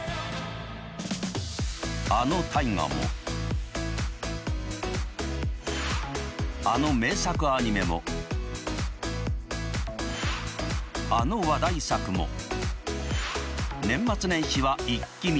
あの「大河」もあの名作アニメもあの話題作も年末年始はイッキ見！